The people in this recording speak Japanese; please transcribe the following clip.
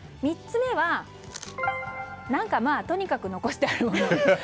３つ目は、何かまあとにかく残してあるもの。